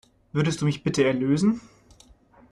Würdest du mich bitte erlösen?